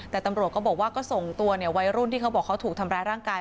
แต่ตำรวจก็บอกว่าก็ส่งตัววัยรุ่นที่เขาบอกเขาถูกทำร้ายร่างกาย